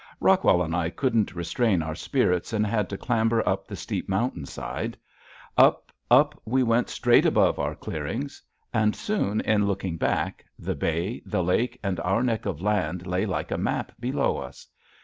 Rockwell and I couldn't restrain our spirits and had to clamber up the steep mountain side; up, up we went straight above our clearings; and soon, in looking back, the bay, the lake, and our neck of land lay like a map below us.